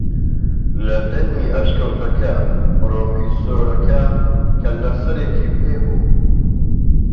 لە دەمی ئەشکەوتەکە پرۆفیسۆرەکە کەللەسەرێکی پێ بوو